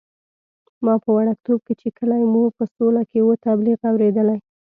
ما په وړکتوب کې چې کلی مو په سوله کې وو، تبلیغ اورېدلی.